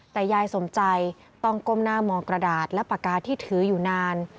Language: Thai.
แต่ยายสมใจต้องก้มหน้ามองกระดาษและปากกาที่ถืออยู่นาน